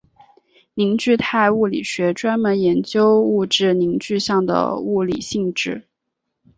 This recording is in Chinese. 凝聚态物理学专门研究物质凝聚相的物理性质。